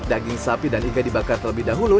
daging sapi dan iga dibakar terlebih dahulu